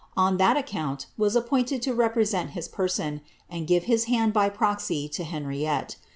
on that account was appointed to represent his person, and give his hand by proxy to Henriette.